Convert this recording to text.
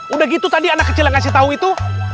udah gitu tadi anak kecil yang kasih tau itu